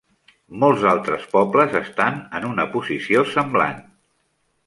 Molts altres pobles estan en una posició semblant.